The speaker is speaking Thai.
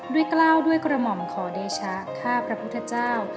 กล้าวด้วยกระหม่อมขอเดชะข้าพระพุทธเจ้า